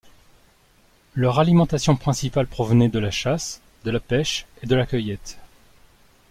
Leur alimentation principale provenait de la chasse, de la pêche et de la cueillette.